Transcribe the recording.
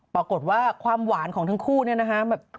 ปรากฏว่าความหวานของทั้งคู่เนี่ยนะฮะ